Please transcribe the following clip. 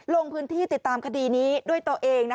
ลงพื้นที่ติดตามคดีนี้ด้วยตัวเอง